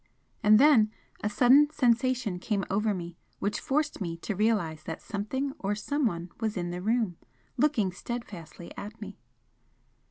And then a sudden sensation came over me which forced me to realise that something or someone was in the room, looking steadfastly at me.